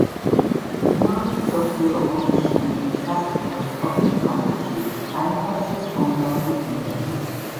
მეორე მსოფლიო ომის შემდეგ სასტუმროს ყოფილ ნომრებში განათავსეს კომუნალური ბინები.